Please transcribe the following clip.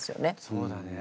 そうだね。